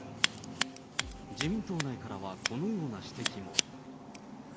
自民党内からは、このような指摘も。